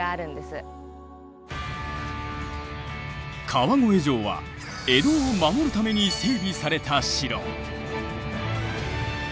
川越城は江戸を守るために整備された城。